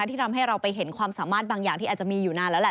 ที่ทำให้เราไปเห็นความสามารถบางอย่างที่อาจจะมีอยู่นานแล้วแหละ